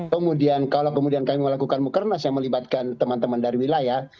kemudian kalau kemudian kami melakukan mukernas yang melibatkan teman teman dari wilayah